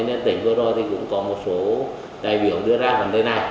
nên tỉnh vừa rồi thì cũng có một số đại biểu đưa ra phần đây này